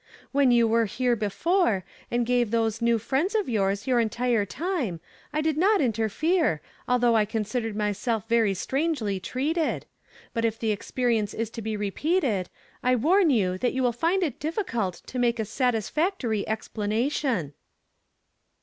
When you were here before, and gave these new friends of youi s your entire time, I did not inter fere, although I considered myself very strangely treated; but if the experience is to be repeate !. I warn you that you will find it difficult to make a satisfactory explanation."